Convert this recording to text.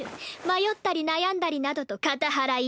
迷ったり悩んだりなどと片腹痛い。